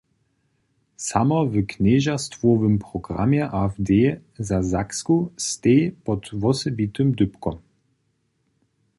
Samo w knježerstwowym programje AfD za Saksku steji pod wosebitym dypkom.